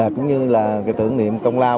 cũng như là tưởng niệm công lao